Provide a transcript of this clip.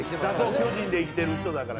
巨人で生きてる人だから。